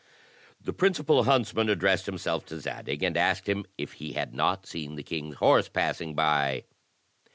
The principal htmtsman addressed himself to Zadig, and asked him if he had not seen the king's horse passing by.